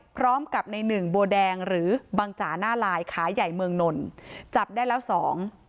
พร้อมกับในหนึ่งบัวแดงหรือบังจ๋าหน้าลายขาใหญ่เมืองนนจับได้แล้วสอง